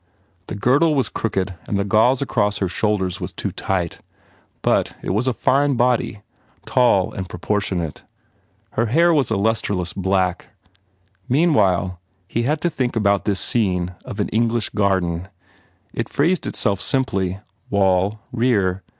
The girdle was crooked and the gauze across her shoulders was too tight. But it was a fine body, tall and proportionate. Her hair was a lustre less black. Meanwhile he had to think about this scene of an English garden. It phrased it self simply. Wall, rear.